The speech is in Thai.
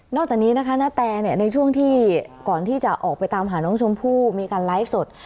จากนี้นะคะณแตในช่วงที่ก่อนที่จะออกไปตามหาน้องชมพู่มีการไลฟ์สด